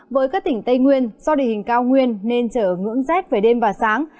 với các tỉnh tây nguyên do địa hình cao nguyên nên chở ngưỡng rác về đêm và sáng